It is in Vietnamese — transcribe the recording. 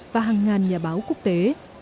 và hàng ngàn nhà báo quốc tế